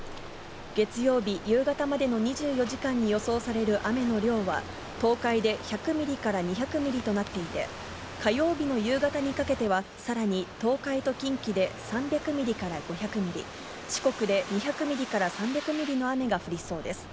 月曜日夕方までの２４時間に予想される雨の量は、東海で１００ミリから２００ミリとなっていて、火曜日の夕方にかけては、さらに東海と近畿で３００ミリから５００ミリ、四国で２００ミリから３００ミリの雨が降りそうです。